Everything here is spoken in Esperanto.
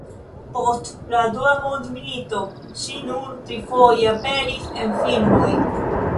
Post la dua mondmilito ŝi nur trifoje aperis en filmoj.